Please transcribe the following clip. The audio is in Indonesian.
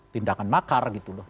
tindakan makar gitu loh